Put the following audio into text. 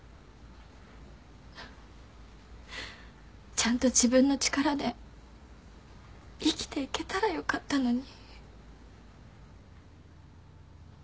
ちゃんと自分の力で生きていけたらよかったのに